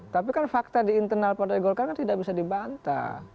tapi kan fakta di internal partai golkar kan tidak bisa dibantah